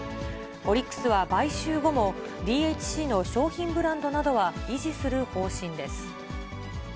オリックスは買収後も、ＤＨＣの商品ブランドなどは維持する方針です。